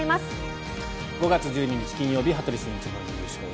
５月１２日、金曜日「羽鳥慎一モーニングショー」。